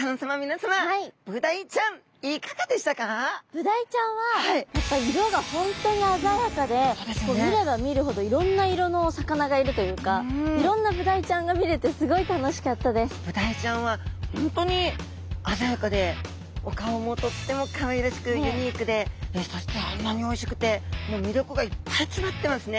ブダイちゃんはやっぱり色が本当に鮮やかで見れば見るほどいろんな色のお魚がいるというかブダイちゃんは本当に鮮やかでお顔もとってもかわいらしくユニークでそしてあんなにおいしくてもう魅力がいっぱい詰まってますね。